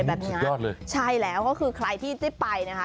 อ่ะอือสุดยอดเลยใช่แล้วก็คือใครที่ไปนะฮะ